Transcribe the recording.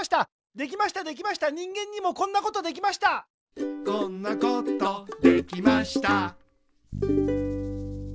できましたできました人間にもこんなことできました「たこたこピー」